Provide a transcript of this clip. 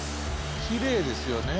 きれいですよね。